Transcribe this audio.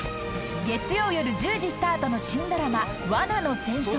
［月曜夜１０時スタートの新ドラマ『罠の戦争』と］